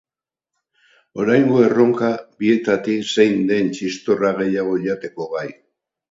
Oraingo erronka, bietatik zein den txistorra gehiago jateko gai.